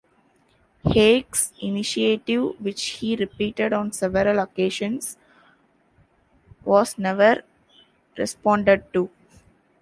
Haig's initiative, which he repeated on several occasions, was never responded to.